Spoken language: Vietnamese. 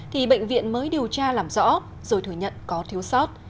thì bệnh viện mới điều tra làm rõ rồi thừa nhận có thiếu sót